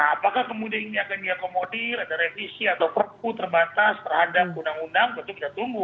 apakah kemudian ini akan diakomodir ada revisi atau perpu terbatas terhadap undang undang tentu kita tunggu